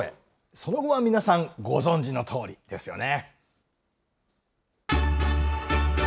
その後は皆さん、ご存じのとおりですよね。